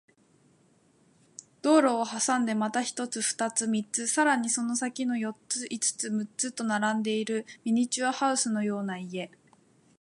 道路を挟んでまた一つ、二つ、三つ、さらにその先に四つ、五つ、六つと並んでいるミニチュアハウスのような家